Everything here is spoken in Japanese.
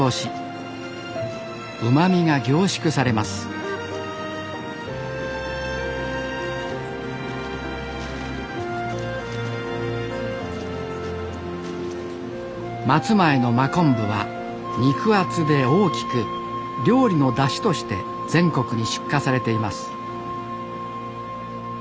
うまみが凝縮されます松前の真昆布は肉厚で大きく料理のだしとして全国に出荷されています